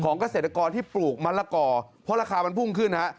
เกษตรกรที่ปลูกมะละกอเพราะราคามันพุ่งขึ้นฮะ